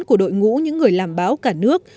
của đội ngũ những người làm báo cả nước